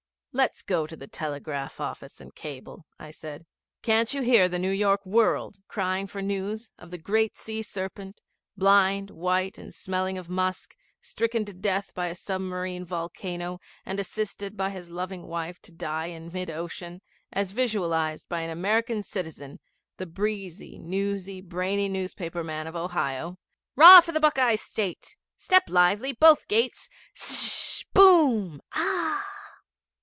'Let's go to the telegraph office and cable,' I said. 'Can't you hear the New York World crying for news of the great sea serpent, blind, white, and smelling of musk, stricken to death by a submarine volcano, and assisted by his loving wife to die in mid ocean, as visualised by an American citizen, the breezy, newsy, brainy newspaper man of Dayton, Ohio? 'Rah for the Buckeye State. Step lively! Both gates! Szz! Boom! Aah!'